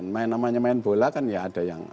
main namanya main bola kan ya ada yang